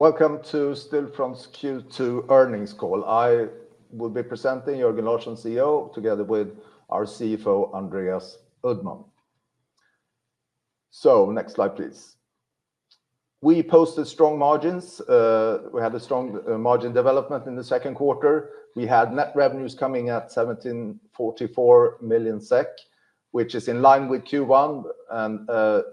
Welcome to Stillfront's Q2 earnings call. I will be presenting, Jörgen Larsson, CEO, together with our CFO, Andreas Uddman. So next slide, please. We posted strong margins, we had a strong margin development in the second quarter. We had net revenues coming at 1,744 million SEK, which is in line with Q1, and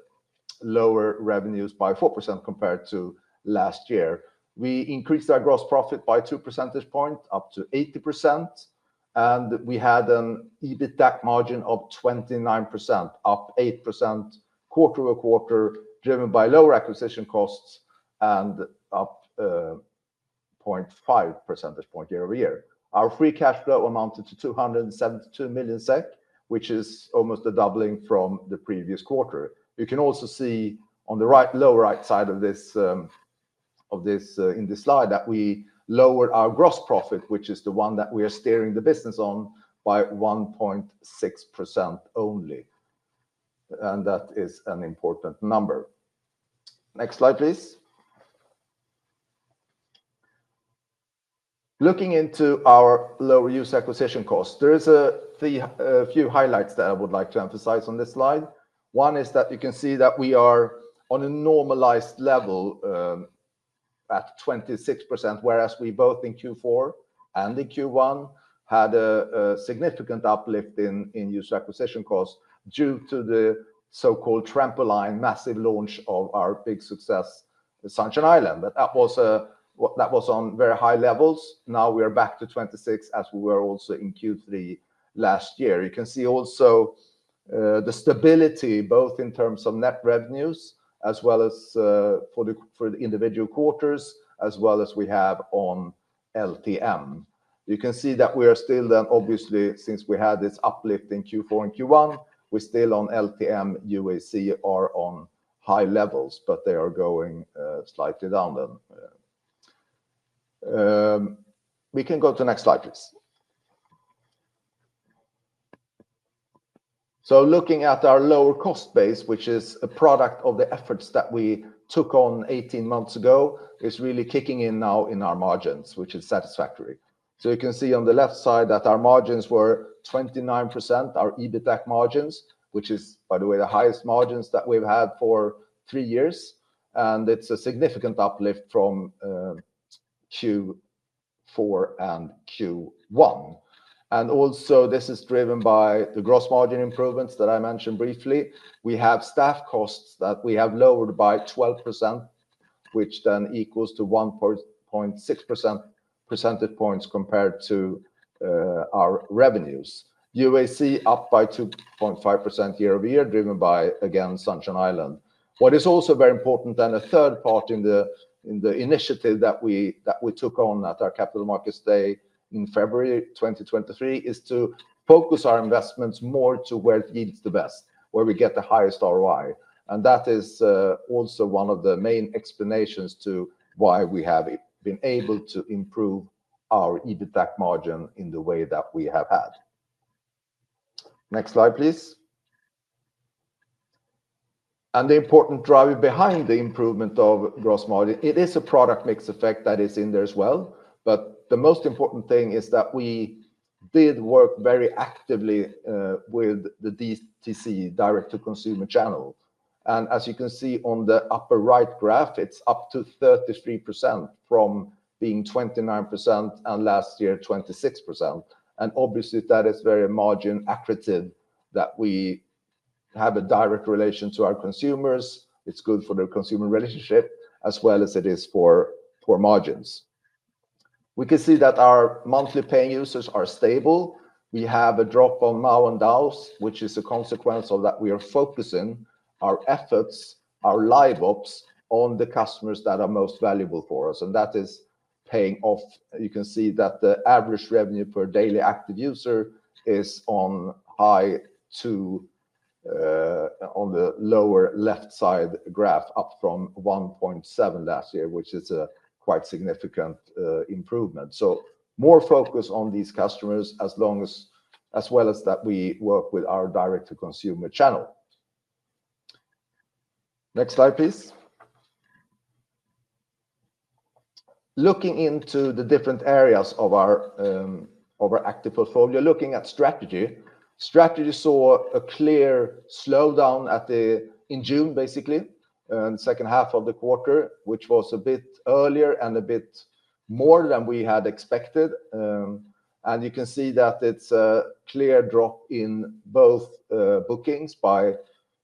lower revenues by 4% compared to last year. We increased our gross profit by two percentage point, up to 80%, and we had an EBITDA margin of 29%, up 8% quarter-over-quarter, driven by lower acquisition costs and up 0.5 percentage point year-over-year. Our free casual flow amounted to 272 million SEK, which is almost a doubling from the previous quarter. You can also see on the right, lower right side of this, of this, in this slide, that we lowered our gross profit, which is the one that we are steering the business on, by 1.6% only, and that is an important number. Next slide, please. Looking into our lower user acquisition cost, there is a few highlights that I would like to emphasize on this slide. One is that you can see that we are on a normalized level, at 26%, whereas we both in Q4 and in Q1 had a significant uplift in user acquisition costs due to the so-called trampoline massive launch of our big success, Sunshine Island. But that was, that was on very high levels. Now we are back to 26, as we were also in Q3 last year. You can see also, the stability, both in terms of net revenues, as well as for the individual quarters, as well as we have on LTM. You can see that we are still then, obviously, since we had this uplift in Q4 and Q1, we're still on LTM, UAC are on high levels, but they are going, slightly down then, yeah. We can go to next slide, please. So looking at our lower cost base, which is a product of the efforts that we took on 18 months ago, is really kicking in now in our margins, which is satisfactory. So you can see on the left side that our margins were 29%, our EBITDA margins, which is, by the way, the highest margins that we've had for 3 years, and it's a significant uplift from Q4 and Q1. And also, this is driven by the gross margin improvements that I mentioned briefly. We have staff costs that we have lowered by 12%, which then equals to 1.6 percentage points compared to our revenues. UAC up by 2.5% year-over-year, driven by, again, Sunshine Island. What is also very important, then a third part in the initiative that we took on at our Capital Markets Day in February 2023, is to focus our investments more to where it yields the best, where we get the highest ROI. And that is also one of the main explanations to why we have been able to improve our EBITDA margin in the way that we have had. Next slide, please. The important driver behind the improvement of gross margin, it is a product mix effect that is in there as well. But the most important thing is that we did work very actively with the DTC, direct-to-consumer channel. And as you can see on the upper right graph, it's up to 33% from being 29%, and last year, 26%. And obviously, that is very margin accretive that we have a direct relation to our consumers. It's good for the consumer relationship as well as it is for, for margins. We can see that our monthly paying users are stable. We have a drop on MAU and DAUs, which is a consequence of that we are focusing our efforts, our live ops, on the customers that are most valuable for us, and that is paying off. You can see that the average revenue per daily active user is on high to, on the lower left side graph, up from 1.7 last year, which is a quite significant improvement. So more focus on these customers as long as... as well as that we work with our direct-to-consumer channel. Next slide, please. Looking into the different areas of our, of our active portfolio, looking at strategy. Strategy saw a clear slowdown at the-- in June, basically, second half of the quarter, which was a bit earlier and a bit more than we had expected. And you can see that it's a clear drop in both, bookings by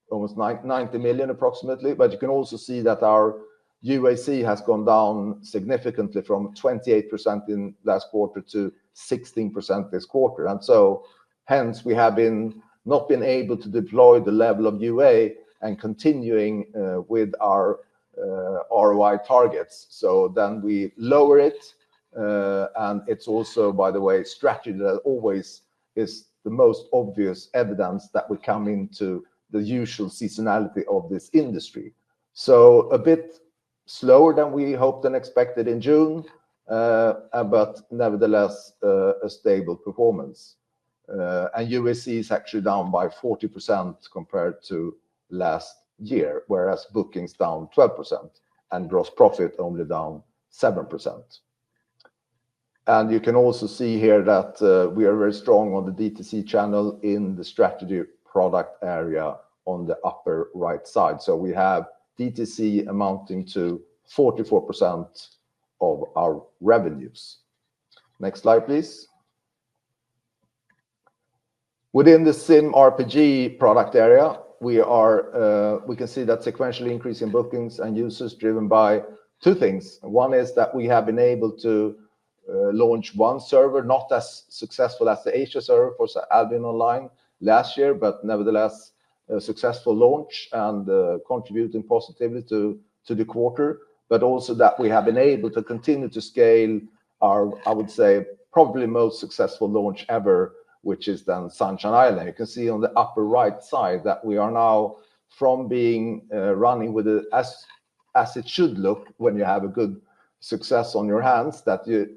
almost 90 million, approximately. But you can also see that our UAC has gone down significantly from 28% in last quarter to 16% this quarter. And so hence, we have not been able to deploy the level of UA and continuing with our ROI targets. So then we lower it, and it's also, by the way, strategy that always is the most obvious evidence that we come into the usual seasonality of this industry. So a bit slower than we hoped and expected in June, but nevertheless, a stable performance. And UAC is actually down by 40% compared to last year, whereas bookings is down 12% and gross profit only down 7%. And you can also see here that, we are very strong on the DTC channel in the strategy products area on the upper right side. So we have DTC amounting to 44% of our revenues. Next slide, please. Within the Sim RPG product area, we are, we can see that sequentially increase in bookings and users driven by two things. One is that we have been able to launch one server, not as successful as the Asia server for Albion Online last year, but nevertheless, a successful launch and contributing positively to the quarter, but also that we have been able to continue to scale our, I would say, probably most successful launch ever, which is then Sunshine Island. You can see on the upper right side that we are now from being running with it as it should look when you have a good success on your hands, that you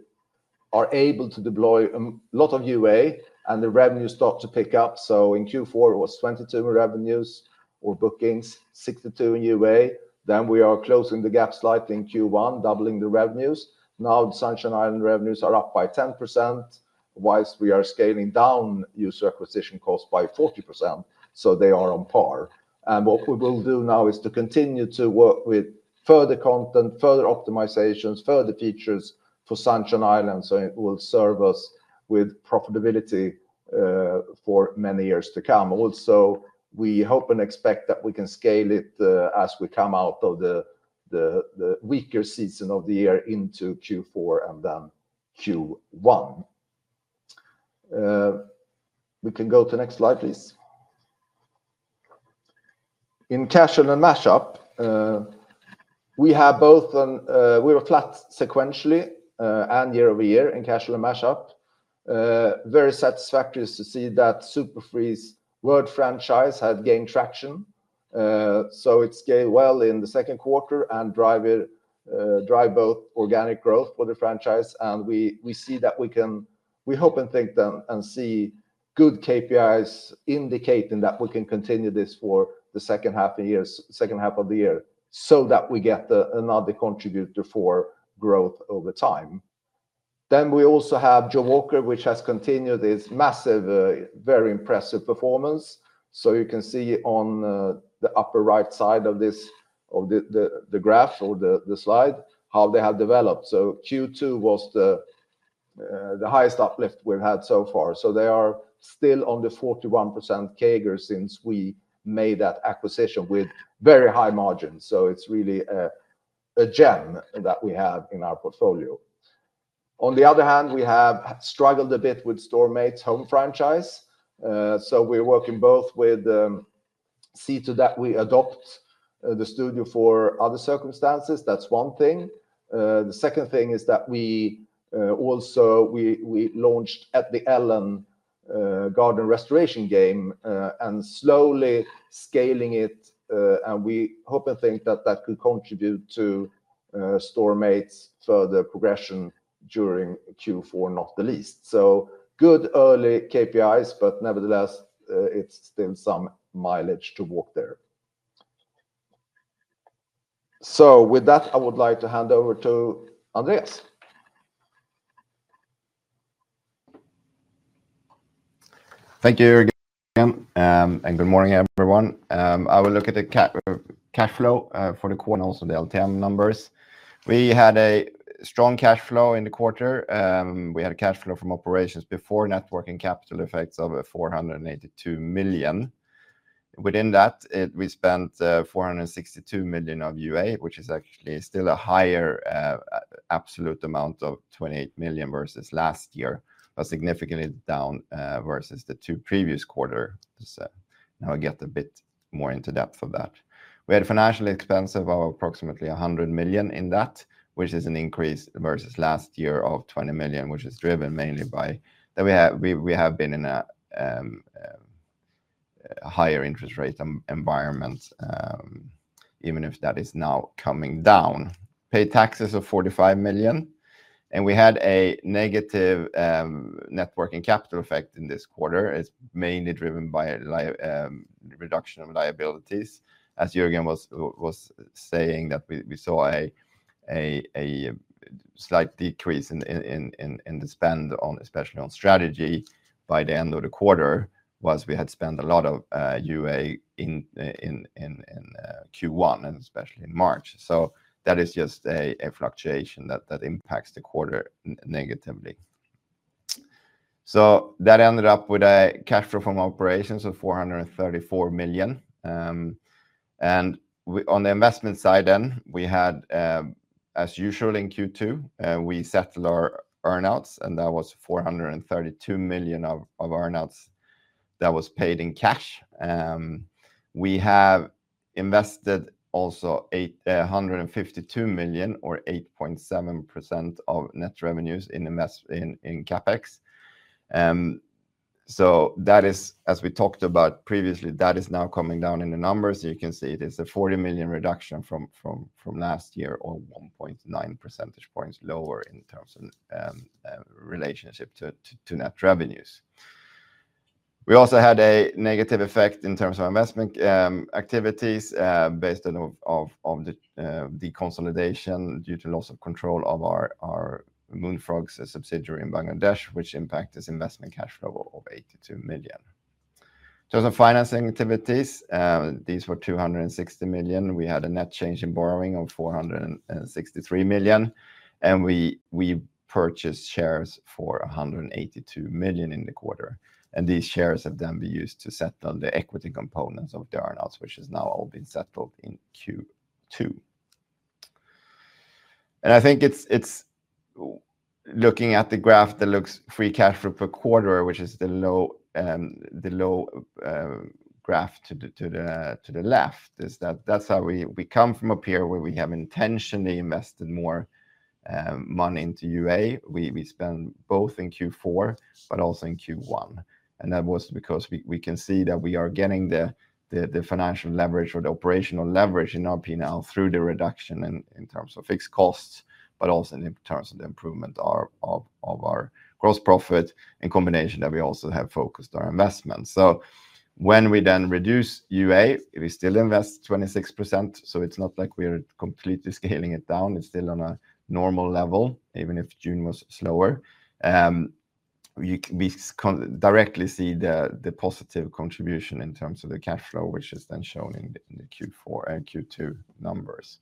are able to deploy a lot of UA and the revenue start to pick up. So in Q4, it was 22 revenues or bookings, 62 in UA. Then we are closing the gap slightly in Q1, doubling the revenues. Now, the Sunshine Island revenues are up by 10%, while we are scaling down user acquisition costs by 40%, so they are on par. And what we will do now is to continue to work with further content, further optimizations, further features for Sunshine Island, so it will serve us with profitability for many years to come. Also, we hope and expect that we can scale it as we come out of the weaker season of the year into Q4 and then Q1. We can go to next slide, please. In Casual and Mashup, we have both on, we were flat sequentially and year-over-year in Casual and Mashup. Very satisfactory is to see that Supremacy franchise have gained traction, so it's scaled well in the second quarter and drive it, drive both organic growth for the franchise, and we, we see that we can... We hope and think then and see good KPIs indicating that we can continue this for the second half of the year, so that we get another contributor for growth over time. We also have Jawaker, which has continued its massive, very impressive performance. You can see on the upper right side of this, of the, the, the graph or the, the slide, how they have developed. Q2 was the highest uplift we've had so far. They are still on the 41% CAGR since we made that acquisition with very high margins. So it's really a gem that we have in our portfolio. On the other hand, we have struggled a bit with Storm8 Home Franchise. So we're working both with, see to that we adopt, the studio for other circumstances. That's one thing. The second thing is that we also we launched at the Ellen’s Garden Restoration game, and slowly scaling it, and we hope and think that that could contribute to Storm8's further progression during Q4, not the least. So good early KPIs, but nevertheless, it's still some mileage to work there. So with that, I would like to hand over to Andreas. Thank you, Jörgen, and good morning, everyone. I will look at the cash flow for the quarter and also the LTM numbers. We had a strong cash flow in the quarter. We had a cash flow from operations before net working capital effects of 482 million. Within that, we spent 462 million of UA, which is actually still a higher absolute amount of 28 million versus last year, but significantly down versus the two previous quarters. So now I get a bit more in depth of that. We had a financial expense of approximately 100 million in that, which is an increase versus last year of 20 million, which is driven mainly by that we have been in a higher interest rate environment, even if that is now coming down. Pay taxes of 45 million, and we had a negative net working capital effect in this quarter, is mainly driven by a reduction of liabilities. As Jörgen was saying that we saw a slight decrease in the spend on, especially on strategy by the end of the quarter we had spent a lot of UA in Q1 and especially in March. So that is just a fluctuation that impacts the quarter negatively. So that ended up with a cash flow from operations of 434 million. And we, on the investment side then, we had, as usual in Q2, we settled our earn-outs, and that was 432 million of earn-outs that was paid in cash. We have invested also 852 million or 8.7% of net revenues in CapEx. So that is, as we talked about previously, that is now coming down in the numbers. You can see it is a 40 million reduction from last year, or 1.9 percentage points lower in terms of relationship to net revenues. We also had a negative effect in terms of investment activities based on the consolidation due to loss of control of our Moonfrog Labs subsidiary in Bangladesh, which impact this investment cash flow of 82 million. So the financing activities these were 260 million. We had a net change in borrowing of 463 million, and we purchased shares for 182 million in the quarter, and these shares have then been used to set on the equity components of the earn-outs, which has now all been settled in Q2. And I think it's looking at the graph that looks free cash flow per quarter, which is the low graph to the left, is that's how we come from up here, where we have intentionally invested more money into UA. We spend both in Q4, but also in Q1, and that was because we can see that we are getting the financial leverage or the operational leverage in our P&L through the reduction in terms of fixed costs, but also in terms of the improvement of our gross profit, in combination that we also have focused our investments. So when we then reduce UA, we still invest 26%, so it's not like we are completely scaling it down. It's still on a normal level, even if June was slower. We can directly see the positive contribution in terms of the cash flow, which is then shown in the Q4 and Q2 numbers.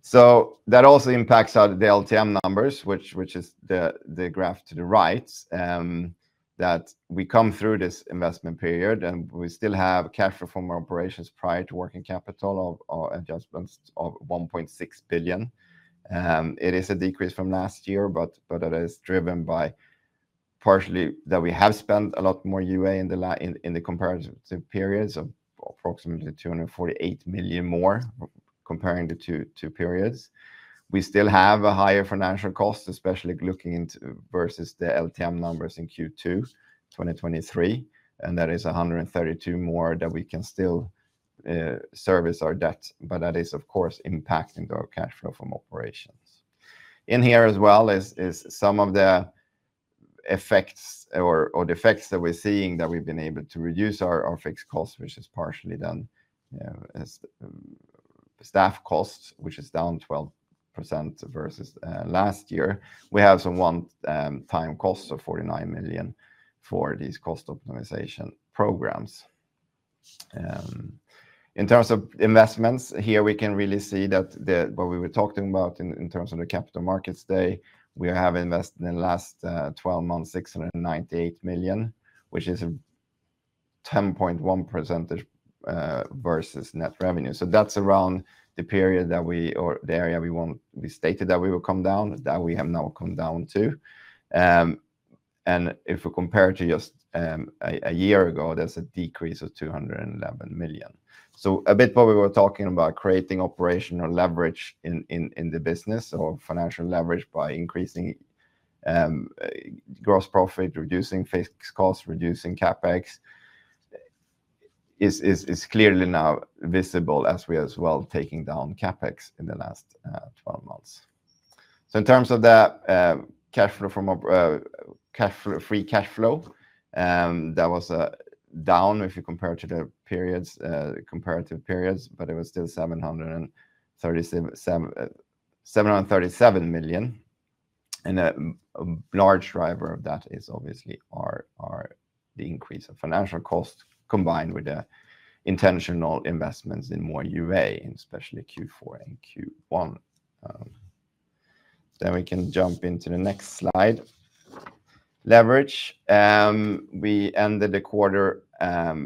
So that also impacts the LTM numbers, which is the graph to the right, that we come through this investment period, and we still have cash flow from our operations prior to working capital adjustments of 1.6 billion. It is a decrease from last year, but it is driven partially by that we have spent a lot more UA in the latter in the comparative periods, of approximately 248 million more, comparing the two periods. We still have a higher financial cost, especially looking into versus the LTM numbers in Q2, 2023, and that is 132 million more that we can still service our debt, but that is, of course, impacting our cash flow from operations. In here as well is some of the effects or the effects that we're seeing, that we've been able to reduce our fixed costs, which is partially done as staff costs, which is down 12% versus last year. We have some one-time costs of 49 million for these cost optimization programs. In terms of investments, here, we can really see that the... What we were talking about in terms of the capital markets day, we have invested in the last 12 months, 698 million, which is a 10.1% versus net revenue. So that's around the period that we or the area we stated that we will come down, that we have now come down to. And if we compare it to just a year ago, there's a decrease of 211 million. So a bit what we were talking about, creating operational leverage in the business or financial leverage by increasing gross profit, reducing fixed costs, reducing CapEx, is clearly now visible as we are as well taking down CapEx in the last 12 months. So in terms of the cash flow from operations, cash flow, free cash flow, that was down, if you compare it to the periods, comparative periods, but it was still 737 million. And a large driver of that is obviously our increase of financial cost, combined with the intentional investments in more UA, in especially Q4 and Q1. Then we can jump into the next slide. Leverage, we ended the quarter at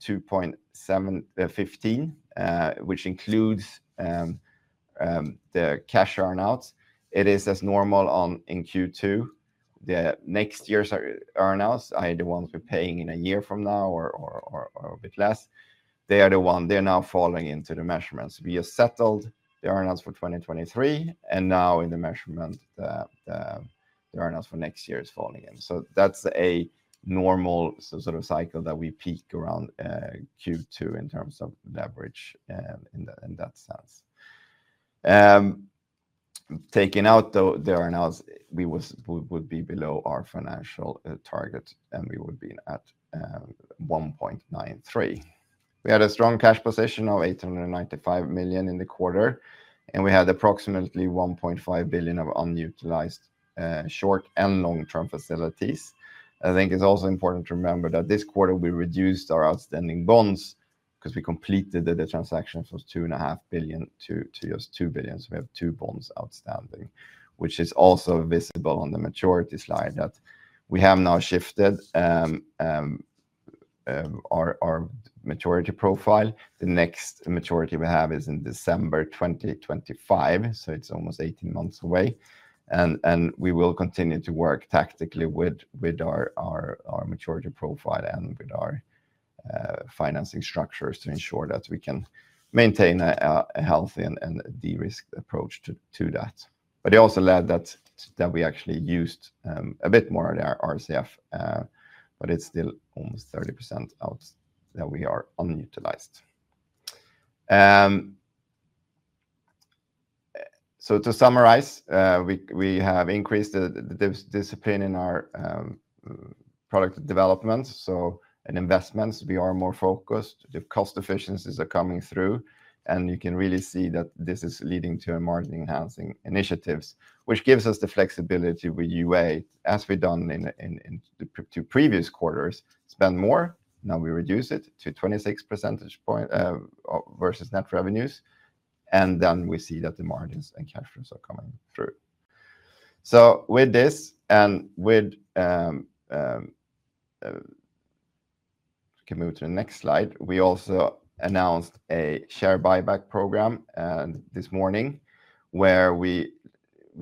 2.715, which includes the cash earn-outs. It is as normal in Q2. The next year's earn-outs are the ones we're paying in a year from now or a bit less. They are the ones—they're now falling into the measurements. We have settled the earn-outs for 2023, and now in the measurement, the earn-outs for next year is falling in. So that's a normal sort of cycle that we peak around Q2 in terms of leverage in that sense. Taking out the earn-outs, we would be below our financial target, and we would be at 1.93. We had a strong cash position of 895 million in the quarter, and we had approximately 1.5 billion of unutilized short and long-term facilities. I think it's also important to remember that this quarter, we reduced our outstanding bonds because we completed the transaction from 2.5 billion to just 2 billion. So we have two bonds outstanding, which is also visible on the maturity slide, that we have now shifted our maturity profile. The next maturity we have is in December 2025, so it's almost 18 months away, and we will continue to work tactically with our maturity profile and with our financing structures to ensure that we can maintain a healthy and de-risked approach to that. But it also led that we actually used a bit more of our RCF, but it's still almost 30% out that we are unutilized. So to summarize, we have increased the discipline in our product development. So in investments, we are more focused, the cost efficiencies are coming through, and you can really see that this is leading to margin-enhancing initiatives, which gives us the flexibility with UA, as we've done in the two previous quarters, spend more, now we reduce it to 26 percentage point versus net revenues, and then we see that the margins and cash flows are coming through. So with this, we can move to the next slide. We also announced a share buyback program this morning, where we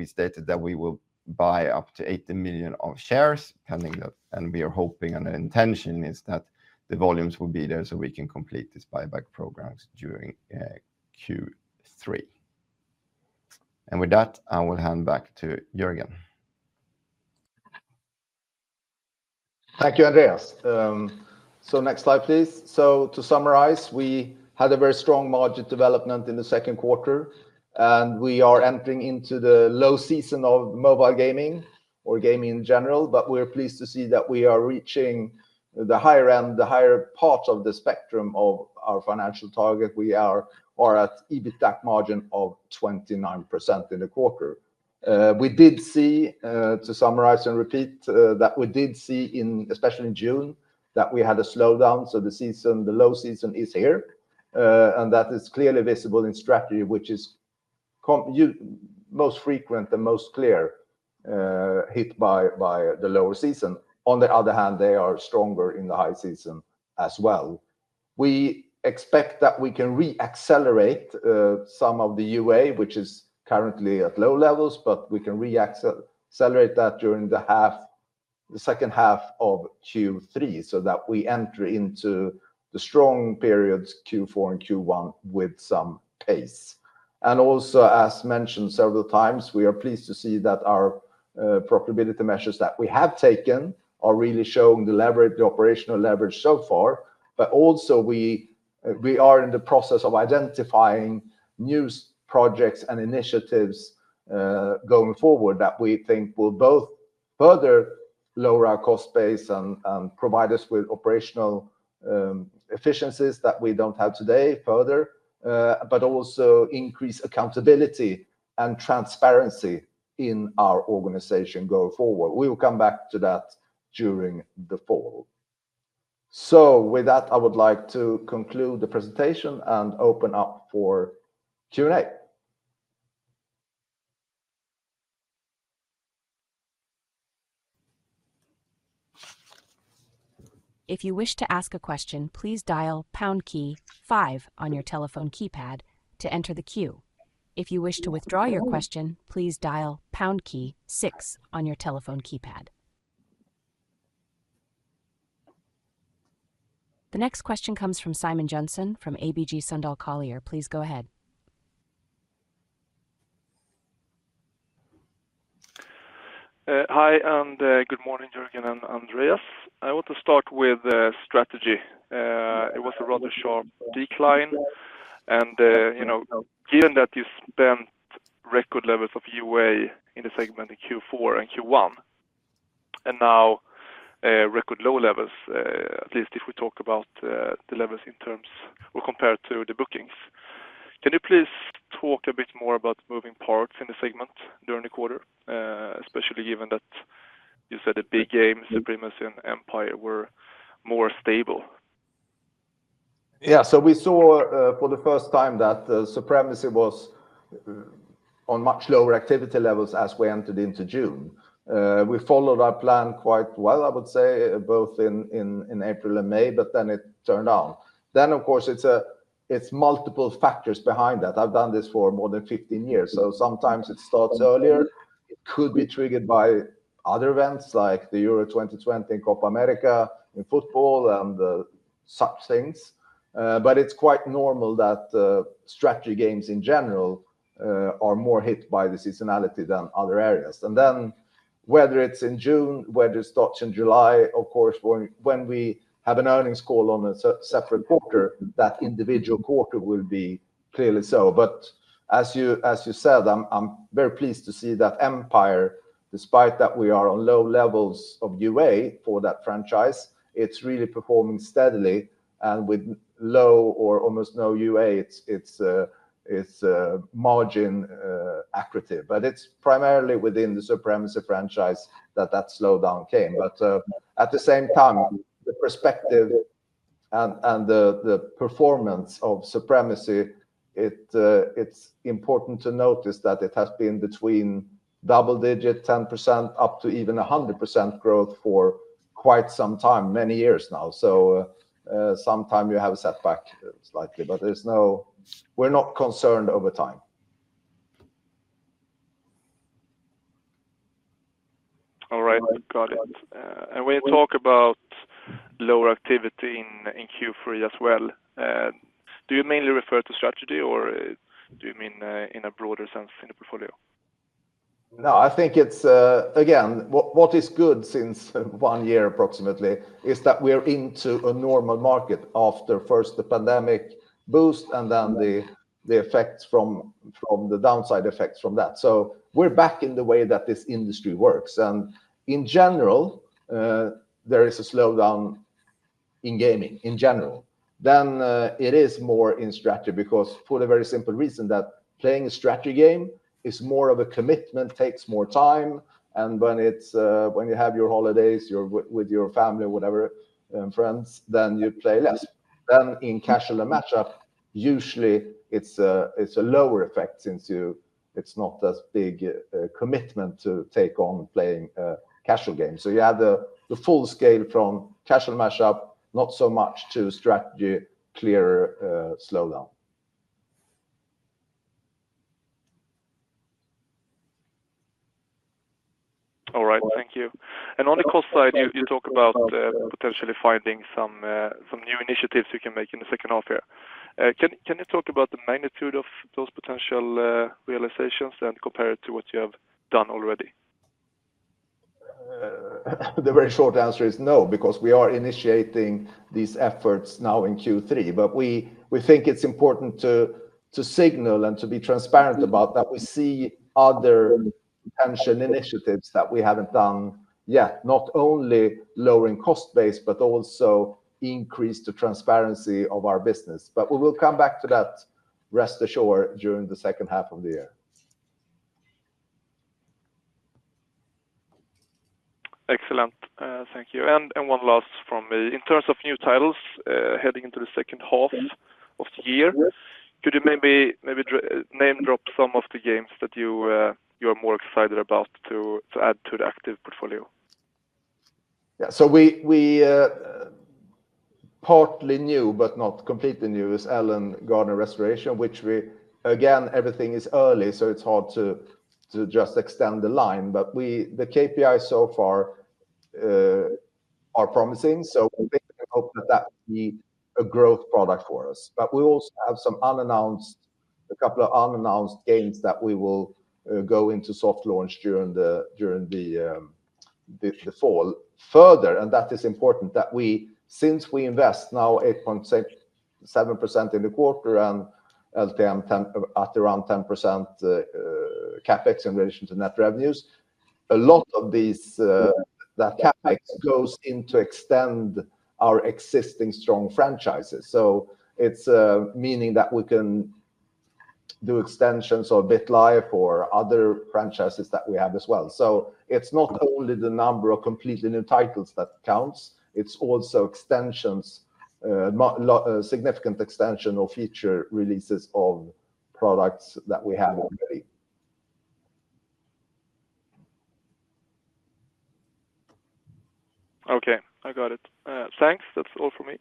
stated that we will buy up to 80 million of shares, pending the-- and we are hoping, and the intention is that the volumes will be there, so we can complete this buyback program during Q3. And with that, I will hand back to Jörgen. Thank you, Andreas. So next slide, please. So to summarize, we had a very strong margin development in the second quarter, and we are entering into the low season of mobile gaming or gaming in general, but we're pleased to see that we are reaching the higher end, the higher part of the spectrum of our financial target. We are at EBITDA margin of 29% in the quarter. We did see, to summarize and repeat, that we did see especially in June that we had a slowdown, so the season, the low season is here, and that is clearly visible in strategy, which is most frequent and most clear hit by the lower season. On the other hand, they are stronger in the high season as well. We expect that we can reaccelerate some of the UA, which is currently at low levels, but we can reaccelerate that during the half, the second half of Q3, so that we enter into the strong periods, Q4 and Q1, with some pace. And also, as mentioned several times, we are pleased to see that our profitability measures that we have taken are really showing the leverage, the operational leverage so far. But also, we we are in the process of identifying new projects and initiatives going forward that we think will both further lower our cost base and provide us with operational efficiencies that we don't have today, further but also increase accountability and transparency in our organization going forward. We will come back to that during the fall. With that, I would like to conclude the presentation and open up for Q&A. If you wish to ask a question, please dial pound key five on your telephone keypad to enter the queue. If you wish to withdraw your question, please dial pound key six on your telephone keypad. The next question comes from Simon Jensen, from ABG Sundal Collier. Please go ahead. Hi, and good morning, Jörgen and Andreas. I want to start with strategy. It was a rather sharp decline, and you know, given that you spent record levels of UA in the segment in Q4 and Q1, and now record low levels, at least if we talk about the levels in terms or compared to the bookings. Can you please talk a bit more about moving parts in the segment during the quarter, especially given that you said the big game, Supremacy and Empire, were more stable? Yeah, so we saw, for the first time that, Supremacy was, on much lower activity levels as we entered into June. We followed our plan quite well, I would say, both in April and May, but then it turned on. Then, of course, it's—it's multiple factors behind that. I've done this for more than 15 years, so sometimes it starts earlier. It could be triggered by other events, like the Euro 2020 and Copa America in football and, such things. But it's quite normal that, strategy games, in general, are more hit by the seasonality than other areas. And then, whether it's in June, whether it starts in July, of course, when, when we have an earnings call on a separate quarter, that individual quarter will be clearly so. But as you said, I'm very pleased to see that Empire, despite that we are on low levels of UA for that franchise, it's really performing steadily, and with low or almost no UA, it's margin accretive. But it's primarily within the Supremacy franchise that that slowdown came. But at the same time, the perspective and the performance of Supremacy, it's important to notice that it has been between double-digit, 10%, up to even 100% growth for quite some time, many years now. So, sometime you have a setback slightly, but there's no—we're not concerned over time. All right. Got it. We talk about lower activity in Q3 as well. Do you mainly refer to strategy, or do you mean in a broader sense in the portfolio?... No, I think it's, again, what is good since one year approximately, is that we are into a normal market after first the pandemic boost, and then the effects from the downside effects from that. So we're back in the way that this industry works, and in general, there is a slowdown in gaming in general. Then, it is more in strategy, because for the very simple reason that playing a strategy game is more of a commitment, takes more time, and when it's, when you have your holidays, you're with your family or whatever, friends, then you play less. Then in casual and match-up, usually it's a lower effect since it's not as big a commitment to take on playing a casual game. So you have the full scale from casual match-up, not so much to strategy, clearer slowdown. All right, thank you. And on the cost side, you talk about potentially finding some new initiatives you can make in the second half year. Can you talk about the magnitude of those potential realizations and compare it to what you have done already? The very short answer is no, because we are initiating these efforts now in Q3. But we, we think it's important to, to signal and to be transparent about, that we see other potential initiatives that we haven't done yet. Not only lowering cost base, but also increase the transparency of our business. But we will come back to that, rest assured, during the second half of the year. Excellent. Thank you. And one last from me. In terms of new titles, heading into the second half of the year- Yes. Could you maybe name drop some of the games that you are more excited about to add to the active portfolio? Yeah. So we partly new, but not completely new, is Ellen’s Garden Restoration, which we—again, everything is early, so it's hard to just extend the line. But the KPI so far are promising, so we hope that that will be a growth product for us. But we also have some unannounced, a couple of unannounced games that we will go into soft launch during the fall. Further, and that is important, since we invest now 8.67% in the quarter and LTM 10% at around 10%, CapEx in relation to net revenues, a lot of these that CapEx goes into extend our existing strong franchises. So it's meaning that we can do extensions or BitLife or other franchises that we have as well. So it's not only the number of completely new titles that counts, it's also extensions, significant extension or future releases of products that we have already. Okay, I got it. Thanks. That's all for me.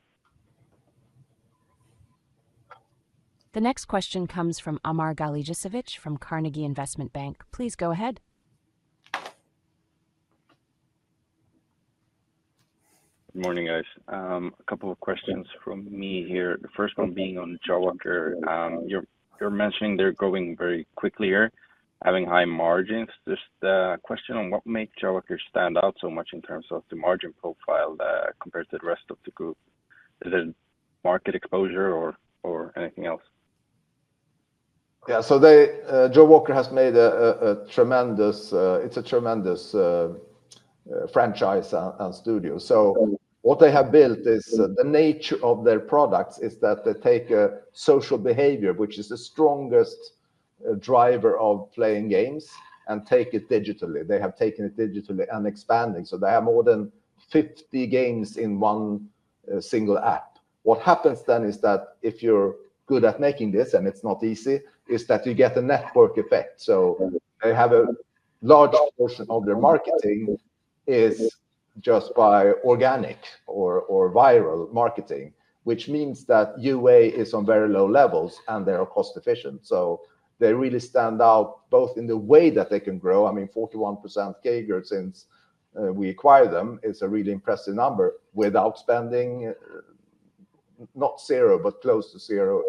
The next question comes from Amar Galijasevic from Carnegie Investment Bank. Please go ahead. Good morning, guys. A couple of questions from me here. The first one being on Jawaker. You're, you're mentioning they're growing very quickly here, having high margins. Just a question on what makes Jawaker stand out so much in terms of the margin profile, compared to the rest of the group? Is it market exposure or, or anything else? Yeah, so they Jawaker has made a tremendous, it's a tremendous, franchise and studio. So what they have built is, the nature of their products is that they take a social behavior, which is the strongest driver of playing games, and take it digitally. They have taken it digitally and expanding, so they have more than 50 games in one single app. What happens then is that if you're good at making this, and it's not easy, is that you get a network effect. So they have a large portion of their marketing is just by organic or viral marketing, which means that UA is on very low levels, and they are cost efficient. So they really stand out, both in the way that they can grow, I mean, 41% CAGR since we acquired them, it's a really impressive number, without spending, not zero, but close to zero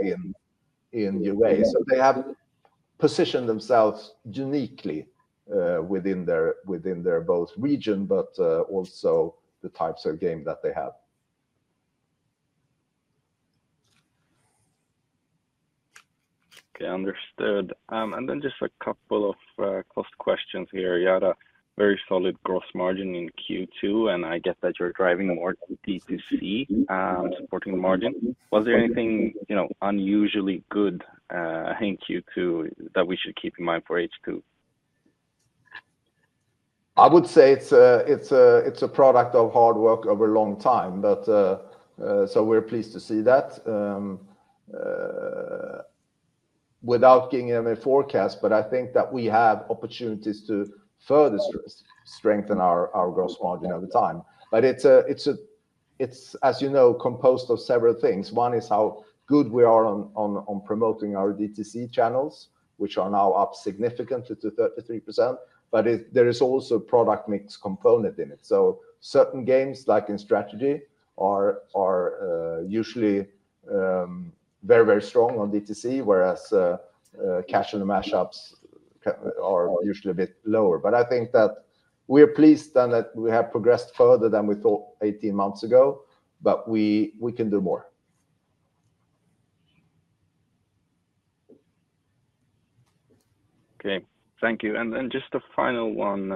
in UA. So they have positioned themselves uniquely, within their region, but also the types of game that they have. Okay, understood. And then just a couple of cost questions here. You had a very solid gross margin in Q2, and I get that you're driving more D2C, supporting the margin. Was there anything, you know, unusually good, in Q2 that we should keep in mind for H2? I would say it's a product of hard work over a long time, but. So we're pleased to see that. Without getting into a forecast, but I think that we have opportunities to further strengthen our growth margin over time. But it's, as you know, composed of several things. One is how good we are on promoting our D2C channels, which are now up significantly to 33%, but it, there is also product mix component in it. So certain games, like in Strategy, are usually very strong on DTC, whereas casual mashups are usually a bit lower. But I think that we are pleased and that we have progressed further than we thought 18 months ago, but we can do more. Okay. Thank you. And then just a final one,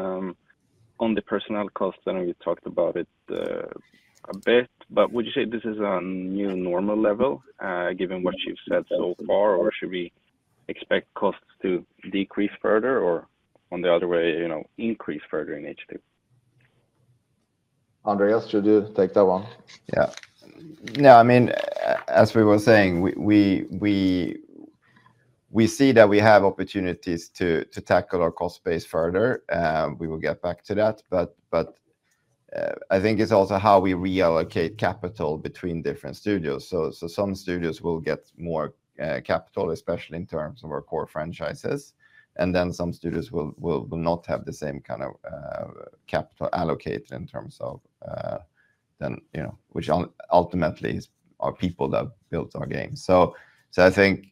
on the personnel cost. I know you talked about it, a bit, but would you say this is a new normal level, given what you've said so far? Or should we expect costs to decrease further or on the other way, you know, increase further in H2? Andreas, should you take that one? Yeah. No, I mean, as we were saying, we see that we have opportunities to tackle our cost base further, we will get back to that. But I think it's also how we reallocate capital between different studios. So some studios will get more capital, especially in terms of our core franchises, and then some studios will not have the same kind of capital allocated in terms of then, you know, which ultimately is our people that built our games. So I think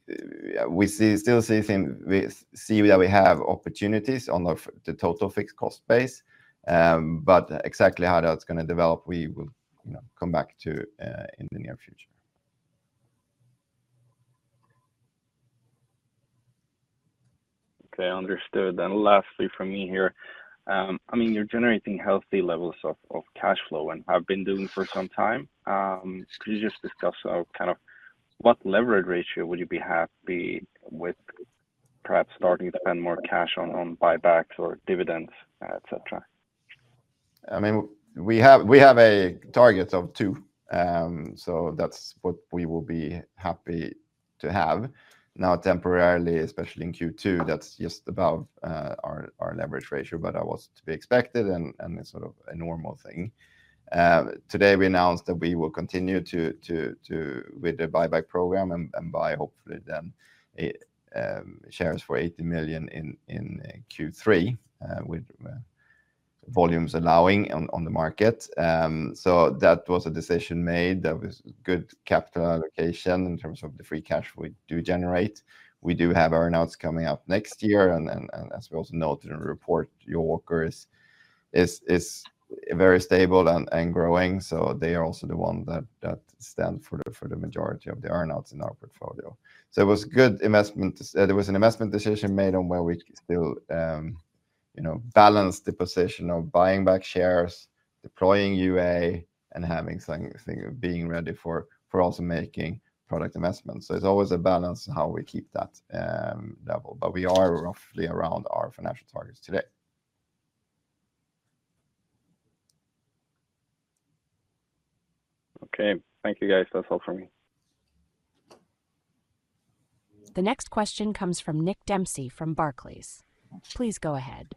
we see that we have opportunities on the total fixed cost base, but exactly how that's going to develop, we will, you know, come back to in the near future. Okay, understood. And lastly, from me here, I mean, you're generating healthy levels of cash flow, and have been doing for some time. Could you just discuss kind of what leverage ratio would you be happy with, perhaps starting to spend more cash on buybacks or dividends, et cetera? I mean, we have a target of two, so that's what we will be happy to have. Now, temporarily, especially in Q2, that's just above our leverage ratio, but that was to be expected and it's sort of a normal thing. Today, we announced that we will continue with the buyback program and buy, hopefully then, shares for 80 million in Q3, with volumes allowing on the market. So that was a decision made. That was good capital allocation in terms of the free cash we do generate. We do have earn-outs coming up next year, and then, and as we also noted in the report, The Walker is very stable and growing, so they are also the one that stand for the majority of the earn-outs in our portfolio. So it was good investment. There was an investment decision made on where we still, you know, balance the position of buying back shares, deploying UA, and having something, being ready for also making product investments. So it's always a balance on how we keep that level, but we are roughly around our financial targets today. Okay. Thank you, guys. That's all for me. The next question comes from Nick Dempsey from Barclays. Please go ahead.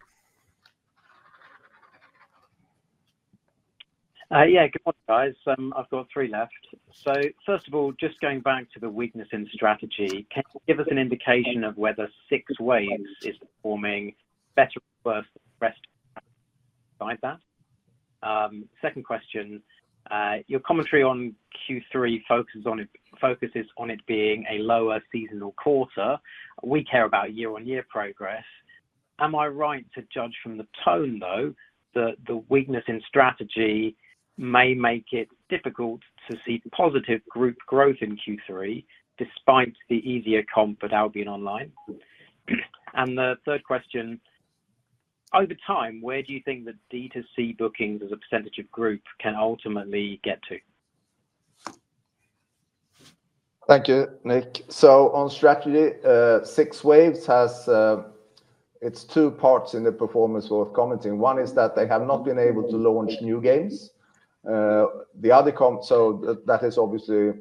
Yeah, good morning, guys. I've got three left. So first of all, just going back to the weakness in strategy, can you give us an indication of whether Six Waves is performing better or worse than the rest besides that? Second question, your commentary on Q3 focuses on it being a lower seasonal quarter. We care about year-on-year progress. Am I right to judge from the tone, though, that the weakness in strategy may make it difficult to see positive group growth in Q3 despite the easier comp at Albion Online? And the third question: over time, where do you think the DTC bookings as a percentage of group can ultimately get to? Thank you, Nick. So on strategy, Six Waves has its two parts in the performance worth commenting. One is that they have not been able to launch new games. The other, so that is obviously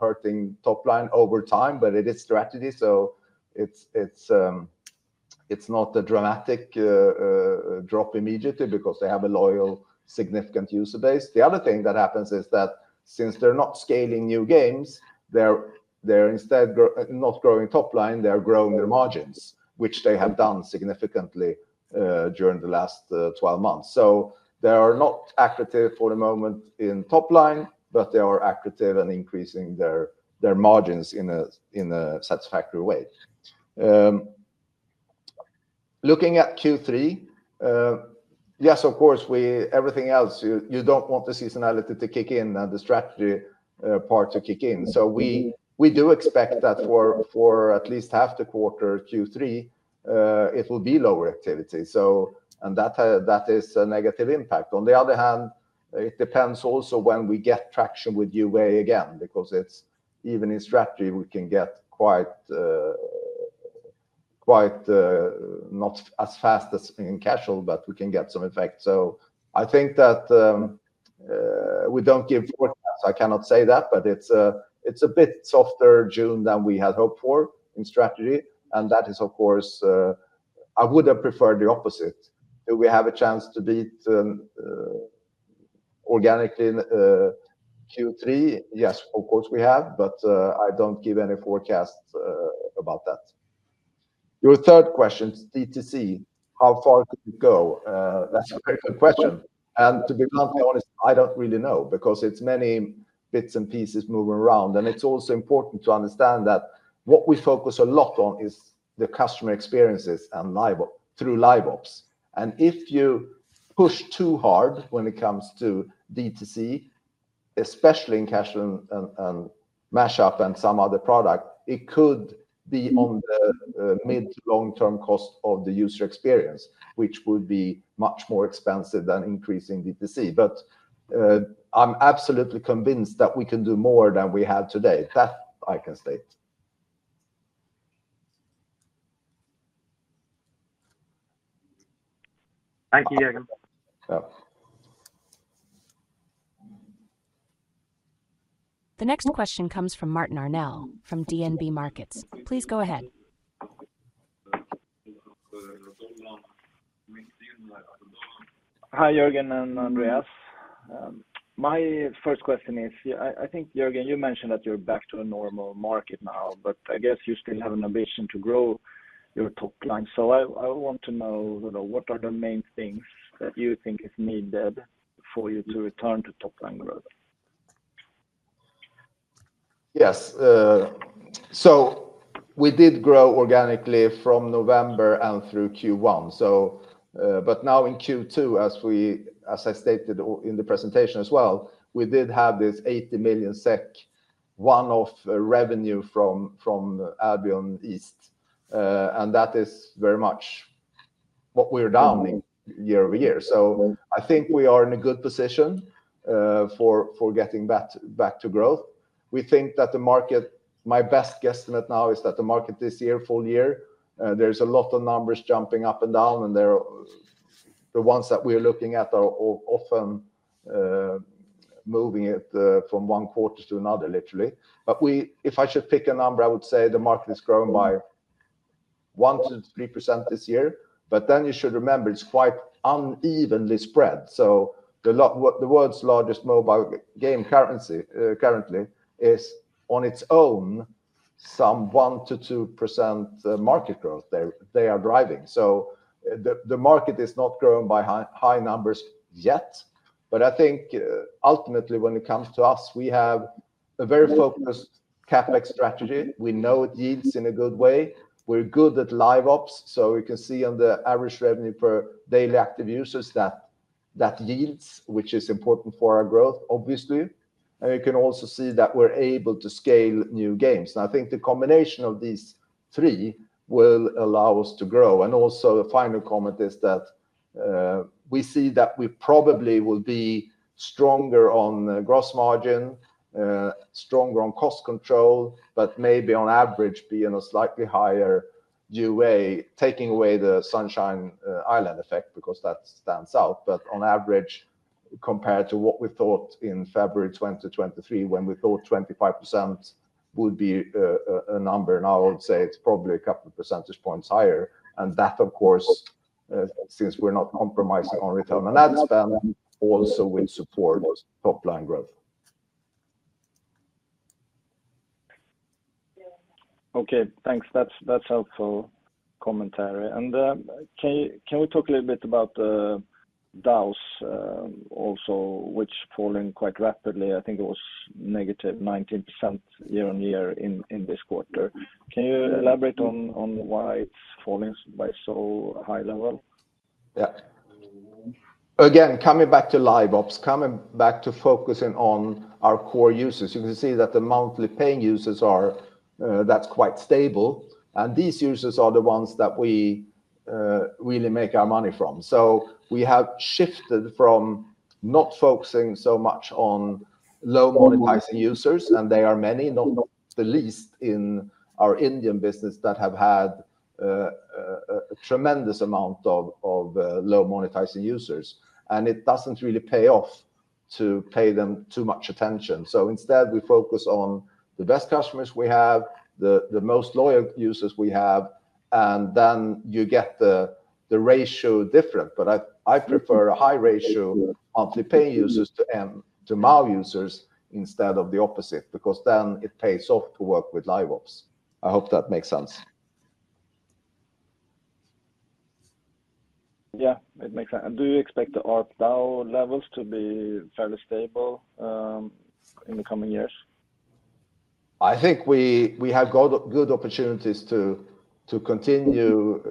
hurting top line over time, but it is strategy, so it's not a dramatic drop immediately because they have a loyal, significant user base. The other thing that happens is that since they're not scaling new games, they're instead not growing top line, they are growing their margins, which they have done significantly during the last 12 months. So they are not accretive for the moment in top line, but they are accretive and increasing their margins in a satisfactory way. Looking at Q3, yes, of course, everything else, you, you don't want the seasonality to kick in and the strategy part to kick in. So we, we do expect that for, for at least half the quarter, Q3, it will be lower activity. So, and that, that is a negative impact. On the other hand, it depends also when we get traction with UA again, because it's even in strategy, we can get quite, quite, not as fast as in casual, but we can get some effect. So I think that, we don't give forecasts. I cannot say that, but it's a, it's a bit softer June than we had hoped for in strategy, and that is, of course, I would have preferred the opposite. Do we have a chance to beat organically in Q3? Yes, of course, we have, but, I don't give any forecasts about that. Your third question, DTC, how far could it go? That's a very good question. And to be completely honest, I don't really know, because it's many bits and pieces moving around. And it's also important to understand that what we focus a lot on is the customer experiences and live ops. And if you push too hard when it comes to DTC, especially in cash and, and, and mashup and some other product, it could be on the mid- to long-term cost of the user experience, which would be much more expensive than increasing DTC. But, I'm absolutely convinced that we can do more than we have today. That I can state. Thank you, Jörgen. Yeah. The next question comes from Martin Arnell, from DNB Markets. Please go ahead. Hi, Jörgen and Andreas. My first question is, I think, Jörgen, you mentioned that you're back to a normal market now, but I guess you still have an ambition to grow your top line. So I want to know, you know, what are the main things that you think is needed for you to return to top line growth? Yes, so we did grow organically from November and through Q1, so. But now in Q2, as I stated in the presentation as well, we did have this 80 million SEK one-off revenue from Albion East. And that is very much what we're down in year-over-year. So I think we are in a good position for getting back to growth. We think that the market, my best guesstimate now is that the market this year, full year, there's a lot of numbers jumping up and down, and they're the ones that we're looking at are often moving it from one quarter to another, literally. But if I should pick a number, I would say the market is growing by 1%-3% this year. But then you should remember, it's quite unevenly spread. So the world's largest mobile game currency, currently, is on its own, some 1%-2% market growth they are driving. So the market is not growing by high, high numbers yet, but I think, ultimately, when it comes to us, we have a very focused CapEx strategy. We know it yields in a good way. We're good at live ops, so we can see on the average revenue per daily active users that yields, which is important for our growth, obviously. And you can also see that we're able to scale new games. And I think the combination of these three will allow us to grow. And also, the final comment is that, we see that we probably will be stronger on gross margin, stronger on cost control, but maybe on average, be in a slightly higher UA, taking away the Sunshine Island effect, because that stands out. But on average, compared to what we thought in February 2023, when we thought 25% would be a number, now I would say it's probably a couple of percentage points higher. And that, of course, since we're not compromising on return on ad spend, also will support top line growth. Okay, thanks. That's, that's helpful commentary. And, can we talk a little bit about the DAUs, also, which [are] falling quite rapidly? I think it was negative 19% year-on-year in this quarter. Can you elaborate on why it's falling at so high a level? Yeah. Again, coming back to live ops, coming back to focusing on our core users, you can see that the monthly paying users are, that's quite stable. And these users are the ones that we really make our money from. So we have shifted from not focusing so much on low monetizing users, and they are many, not the least in our Indian business, that have had a tremendous amount of low monetizing users. And it doesn't really pay off to pay them too much attention. So instead, we focus on the best customers we have, the most loyal users we have, and then you get the ratio different. But I prefer a high ratio of the pay users to MAU users instead of the opposite, because then it pays off to work with live ops. I hope that makes sense. Yeah, it makes sense. Do you expect the ARPDAU levels to be fairly stable, in the coming years? I think we, we have got good opportunities to, to continue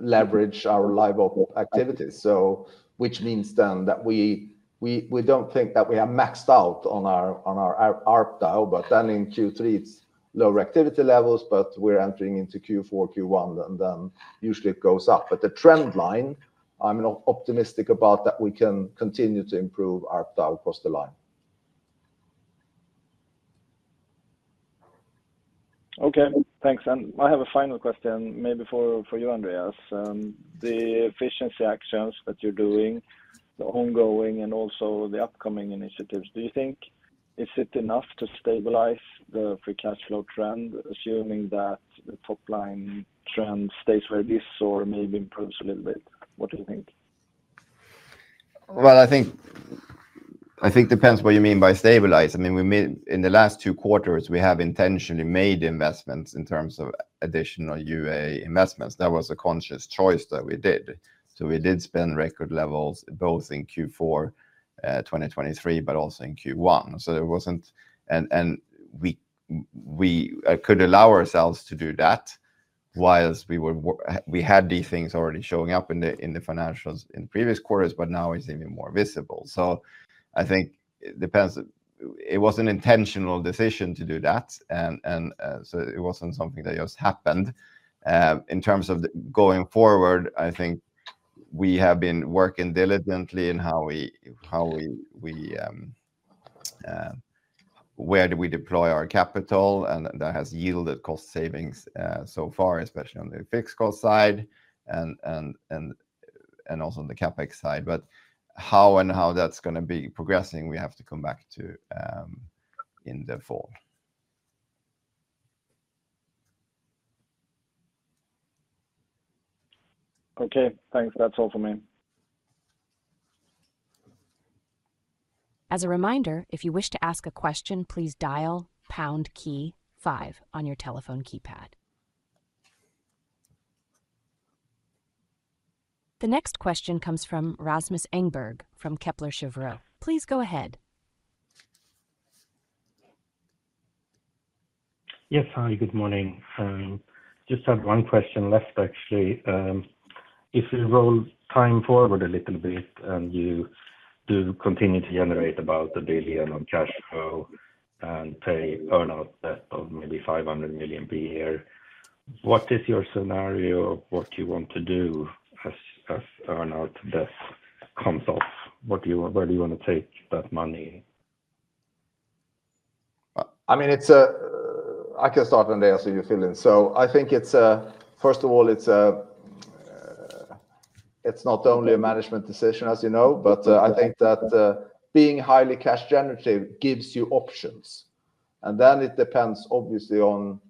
leverage our live ops activities. So which means then that we, we, we don't think that we are maxed out on our, on our ARPDAU, but then in Q3, it's lower activity levels, but we're entering into Q4, Q1, and then usually it goes up. But the trend line, I'm optimistic about, that we can continue to improve ARPDAU across the line. Okay, thanks. And I have a final question, maybe for you, Andreas. The efficiency actions that you're doing, the ongoing and also the upcoming initiatives, do you think is it enough to stabilize the free cash flow trend, assuming that the top line trend stays where it is or maybe improves a little bit? What do you think?... Well, I think it depends what you mean by stabilize. I mean, in the last two quarters, we have intentionally made investments in terms of additional UA investments. That was a conscious choice that we did. So we did spend record levels, both in Q4 2023, but also in Q1. So there wasn't, and we could allow ourselves to do that whilst we were, we had these things already showing up in the financials in previous quarters, but now it's even more visible. So I think it depends. It was an intentional decision to do that, and so it wasn't something that just happened. In terms of the going forward, I think we have been working diligently in where do we deploy our capital, and that has yielded cost savings so far, especially on the fixed cost side, and also on the CapEx side. But how that's gonna be progressing, we have to come back to in the fall. Okay, thanks. That's all for me. As a reminder, if you wish to ask a question, please dial pound key five on your telephone keypad. The next question comes from Rasmus Engberg, from Kepler Cheuvreux. Please go ahead. Yes. Hi, good morning. Just have one question left, actually. If we roll time forward a little bit, and you do continue to generate about 1 billion on cash flow and pay earn-out debt of maybe 500 million per year, what is your scenario of what you want to do as, as earn-out debt comes off? What do you want-- where do you wanna take that money? I mean, I can start, Andreas, so you fill in. So I think it's first of all, it's not only a management decision, as you know, but I think that being highly cash generative gives you options. And then it depends obviously on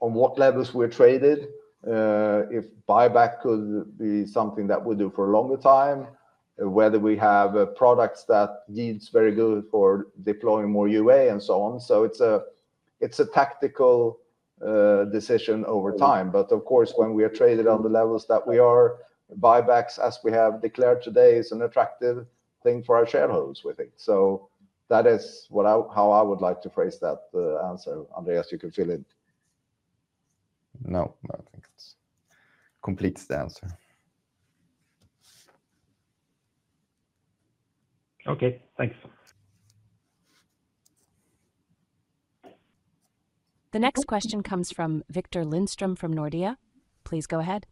what levels we're traded, if buyback could be something that we do for a longer time, whether we have products that needs very good for deploying more UA and so on. So it's a tactical decision over time, but of course, when we are traded on the levels that we are, buybacks, as we have declared today, is an attractive thing for our shareholders, we think. So that is what I, how I would like to phrase that answer. Andreas, you can fill in. No, no, I think it completes the answer. Okay, thanks. The next question comes from Victor Lindström, from Nordea. Please go ahead.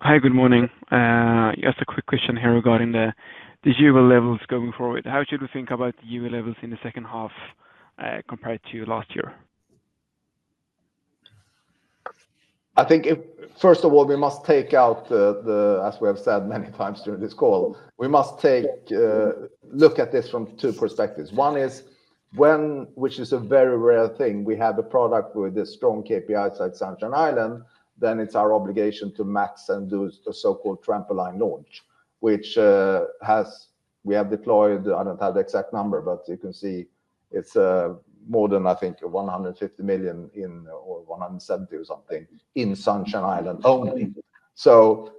Hi, good morning. Just a quick question here regarding the, the UA levels going forward. How should we think about the UA levels in the second half, compared to last year? I think if... First of all, we must take out the, the, as we have said many times during this call, we must take, look at this from two perspectives. One is when, which is a very rare thing, we have a product with a strong KPI outside Sunshine Island, then it's our obligation to max and do the so-called trampoline launch, which, has-- we have deployed, I don't have the exact number, but you can see it's, more than, I think, 150 million or 170 or something in Sunshine Island only. So,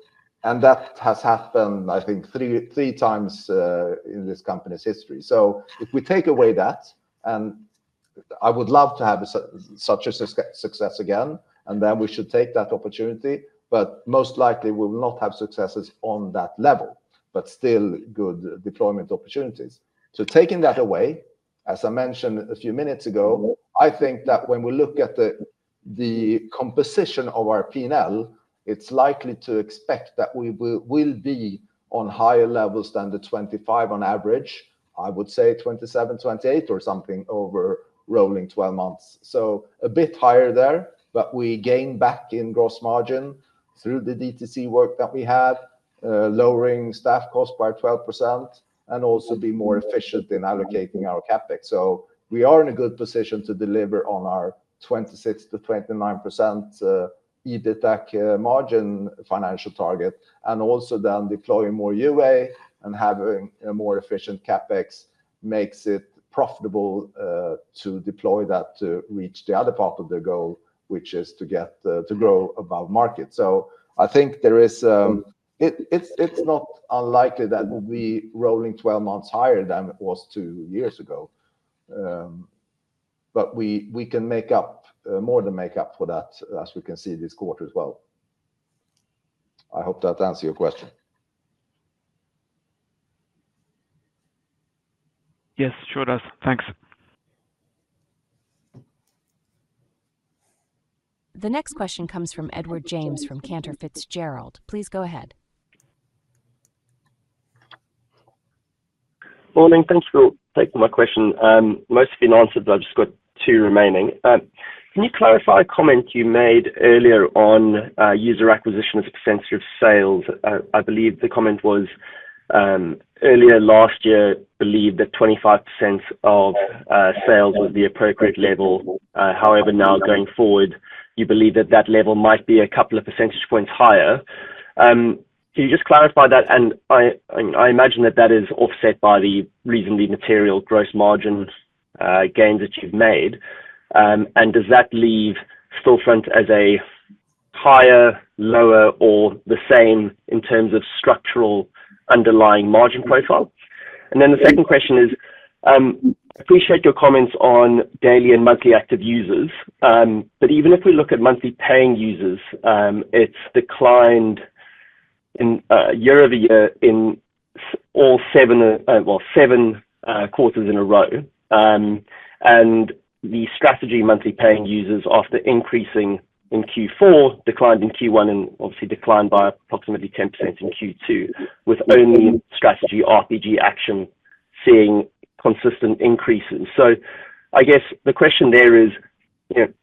and that has happened, I think, three times, in this company's history. So if we take away that, and I would love to have such a success again, and then we should take that opportunity, but most likely, we will not have successes on that level, but still good deployment opportunities. So taking that away, as I mentioned a few minutes ago, I think that when we look at the composition of our P&L, it's likely to expect that we will be on higher levels than the 25 on average, I would say 27, 28 or something over rolling 12 months. So a bit higher there, but we gain back in gross margin through the DTC work that we have, lowering staff costs by 12%, and also be more efficient in allocating our CapEx. So we are in a good position to deliver on our 26%-29% EBITDA margin financial target, and also then deploying more UA and having a more efficient CapEx makes it profitable to deploy that to reach the other part of the goal, which is to get to grow above market. So I think there is it's not unlikely that we'll be rolling twelve months higher than it was two years ago. But we can make up more than make up for that, as we can see this quarter as well. I hope that answers your question. Yes, sure does. Thanks. The next question comes from Edward James, from Cantor Fitzgerald. Please go ahead. Morning. Thanks for taking my question. Most have been answered, but I've just got two remaining. Can you clarify a comment you made earlier on user acquisition as extensive sales? I believe the comment was-... earlier last year, believed that 25% of sales was the appropriate level. However, now going forward, you believe that that level might be a couple of percentage points higher. Can you just clarify that? And I imagine that that is offset by the reasonably material gross margin gains that you've made. And does that leave Stillfront as a higher, lower, or the same in terms of structural underlying margin profile? And then the second question is, appreciate your comments on daily and monthly active users. But even if we look at monthly paying users, it's declined year-over-year in all seven quarters in a row. And the strategy monthly paying users, after increasing in Q4, declined in Q1, and obviously declined by approximately 10% in Q2, with only strategy Sim RPG action seeing consistent increases. So I guess the question there is, you know,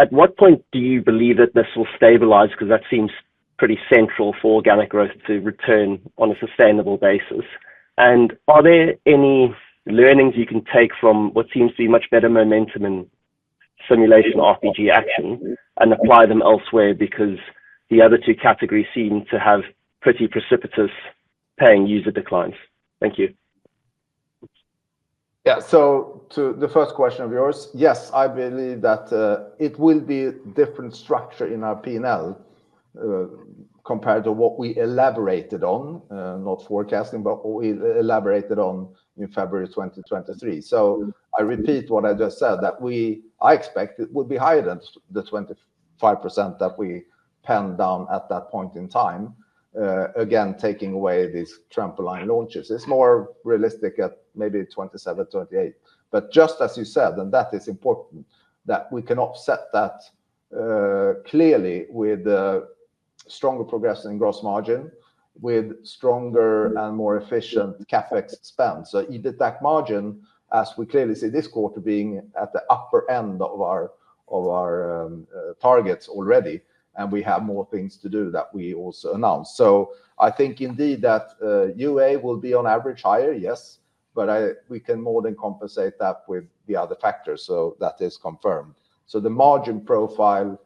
at what point do you believe that this will stabilize? Because that seems pretty central for organic growth to return on a sustainable basis. And are there any learnings you can take from what seems to be much better momentum in simulation RPG action and apply them elsewhere? Because the other two categories seem to have pretty precipitous paying user declines. Thank you. Yeah. So to the first question of yours, yes, I believe that it will be different structure in our P&L compared to what we elaborated on, not forecasting, but what we elaborated on in February 2023. So I repeat what I just said, that I expect it will be higher than the 25% that we penned down at that point in time, again, taking away these trampoline launches. It's more realistic at maybe 27%-28%. But just as you said, and that is important, that we can offset that clearly with the stronger progress in gross margin, with stronger and more efficient CapEx spend. So EBITDA margin, as we clearly see this quarter, being at the upper end of our targets already, and we have more things to do that we also announced. So I think indeed, that, UA will be on average higher, yes, but I we can more than compensate that with the other factors. So that is confirmed. So the margin profile,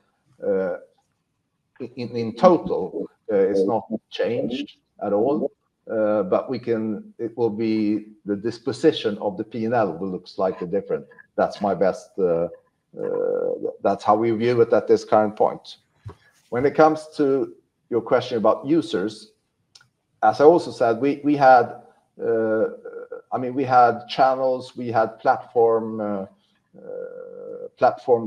in, in total, is not changed at all, but we can it will be the disposition of the P&L will look slightly different. That's my best... That's how we view it at this current point. When it comes to your question about users, as I also said, we had, I mean, we had channels, we had platforms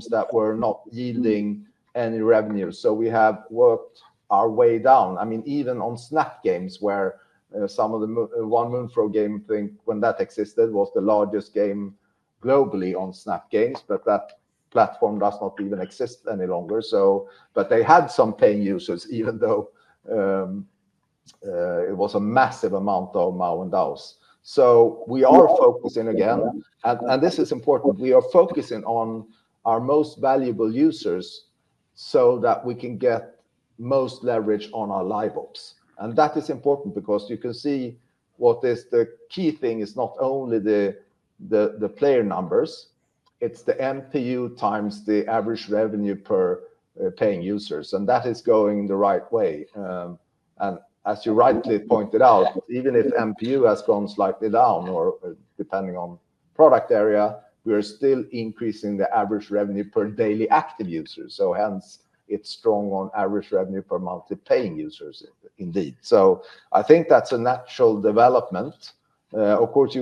that were not yielding any revenue. So we have worked our way down. I mean, even on Snap Games, where, some of the one Moonfrog game thing, when that existed, was the largest game globally on Snap Games, but that platform does not even exist any longer. So, but they had some paying users, even though it was a massive amount of MAU and DAUs. So we are focusing again, and, and this is important, we are focusing on our most valuable users so that we can get most leverage on our live ops. And that is important because you can see what is the key thing is not only the player numbers, it's the MPU times the average revenue per paying users, and that is going the right way. And as you rightly pointed out, even if MPU has gone slightly down, or depending on product area, we are still increasing the average revenue per daily active user. So hence, it's strong on average revenue per monthly paying users indeed. So I think that's a natural development. Of course,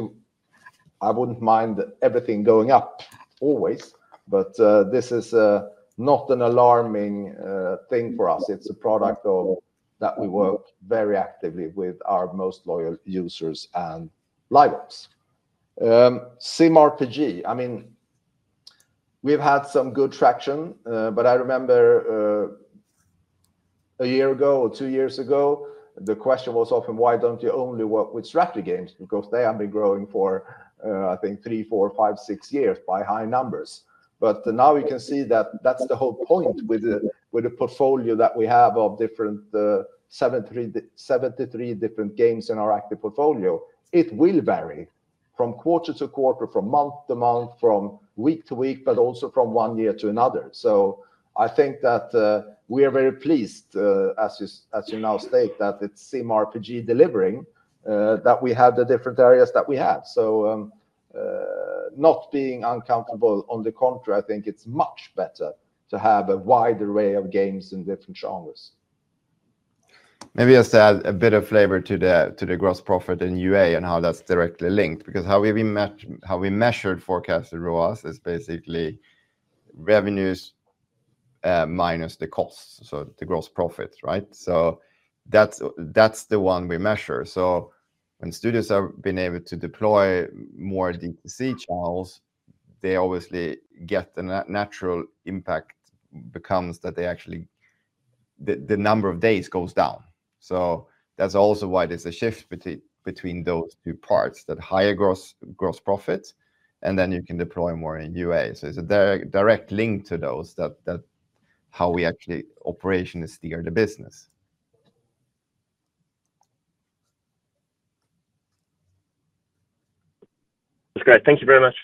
I wouldn't mind everything going up always, but this is not an alarming thing for us. It's a product of that we work very actively with our most loyal users and live ops. Sim RPG, I mean, we've had some good traction, but I remember a year ago or two years ago, the question was often: Why don't you only work with strategy games? Because they have been growing for, I think 3, 4, 5, 6 years by high numbers. But now we can see that that's the whole point with the portfolio that we have of different 73, 73 different games in our active portfolio. It will vary from quarter to quarter, from month to month, from week to week, but also from one year to another. So I think that we are very pleased, as you now state, that it's Sim RPG delivering that we have the different areas that we have. So, not being uncomfortable, on the contrary, I think it's much better to have a wide array of games in different genres. Maybe just to add a bit of flavor to the gross profit in UA and how that's directly linked, because how we measured forecasted ROAS is basically revenues minus the costs, so the gross profit, right? So that's the one we measure. So when studios have been able to deploy more D2C channels, they obviously get the natural impact becomes that they actually the number of days goes down. So that's also why there's a shift between those two parts, that higher gross profit, and then you can deploy more in UA. So there's a direct link to those, that how we actually operationally steer the business. That's great. Thank you very much.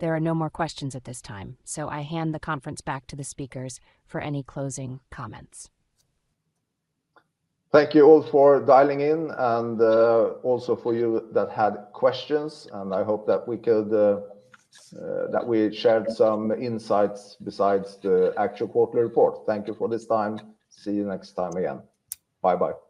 There are no more questions at this time, so I hand the conference back to the speakers for any closing comments. Thank you all for dialing in, and also for you that had questions. And I hope that we could, that we shared some insights besides the actual quarterly report. Thank you for this time. See you next time again. Bye-bye.